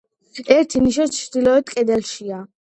ერთი ნიშა ჩრდილოეთ კედელშია.